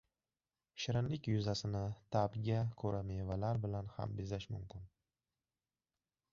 Shirinlik yuzasini ta’bga ko‘ra mevalar bilan ham bezash mumkin